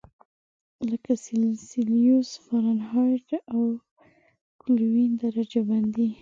لکه سلسیوس، فارنهایت او کلوین درجه بندي.